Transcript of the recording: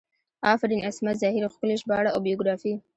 افرین عصمت زهیر ښکلي ژباړه او بیوګرافي